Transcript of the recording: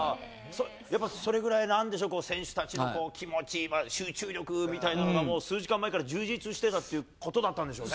やっぱそれぐらい、なんでしょう、選手たちの気持ち、集中力みたいなのが、もう数時間前から充実してたっていうことだったんでしょうね。